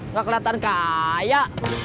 nggak kelihatan kaya